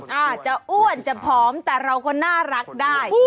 แหละจะอ้วนจะพร้อมแต่เราก็น่ารักได้